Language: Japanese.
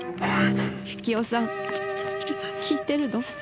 行男さん聞いてるの？